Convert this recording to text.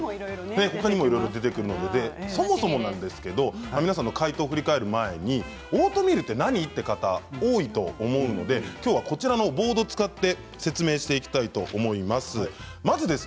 そもそもなんですけれど皆さんの解答を振り返る前にオートミールって何？という方多いと思うのでこちらのボードを使って説明していきたいと思います。